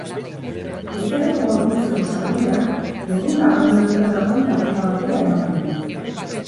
Ezkerreko gorputzeko sarbideak egun abandonatuta dagoen kapera batera ematen du.